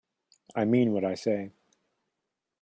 I mean what I say.